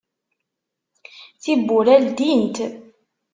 Tiwwura ldint.